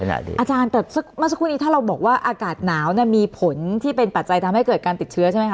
อาจารย์แต่เมื่อสักครู่นี้ถ้าเราบอกว่าอากาศหนาวมีผลที่เป็นปัจจัยทำให้เกิดการติดเชื้อใช่ไหมค